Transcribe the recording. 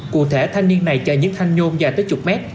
cụ thể thanh niên này chạy những thanh nhôm dài tới chục mét